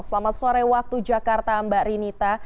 selamat sore waktu jakarta mbak rinita